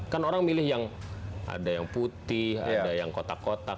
kan orang milih yang ada yang putih ada yang kotak kotak